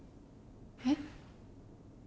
えっ？